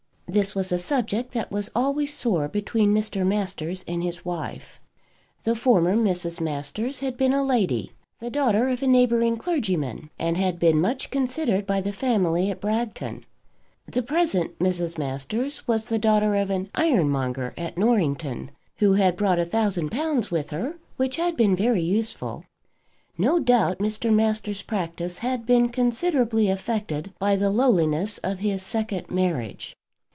This was a subject that was always sore between Mr. Masters and his wife. The former Mrs. Masters had been a lady the daughter of a neighbouring clergyman; and had been much considered by the family at Bragton. The present Mrs. Masters was the daughter of an ironmonger at Norrington, who had brought a thousand pounds with her, which had been very useful. No doubt Mr. Masters' practice had been considerably affected by the lowliness of his second marriage.